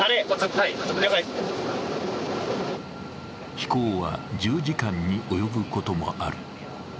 飛行は１０時間に及ぶこともある。